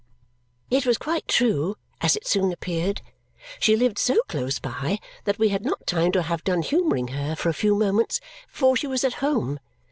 It was quite true, as it soon appeared. She lived so close by that we had not time to have done humouring her for a few moments before she was at home.